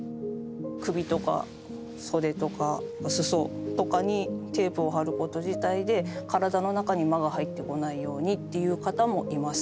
首とか袖とか裾とかにテープを貼ること自体で体の中に魔が入ってこないようにっていう方もいます。